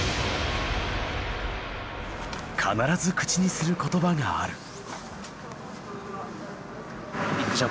必ず口にする言葉がある。